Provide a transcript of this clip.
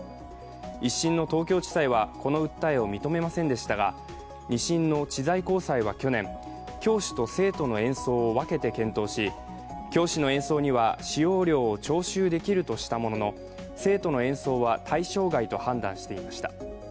１審の東京地裁は、この訴えを認めませんでしたが２審の知財高裁は去年教師と生徒の演奏を分けて検討し教師の演奏には使用料を徴収できるとしたものの、生徒の演奏は、対象外と判断していました。